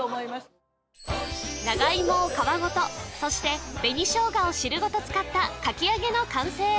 長いもを皮ごとそして紅しょうがを汁ごと使ったかき揚げの完成